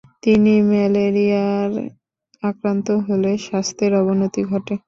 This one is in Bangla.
তিনি ম্যালেরিয়ায় আক্রান্ত হলে স্বাস্থ্যের অবনতি ঘটে।